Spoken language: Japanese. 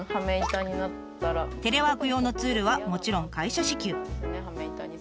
テレワーク用のツールはもちろん会社支給。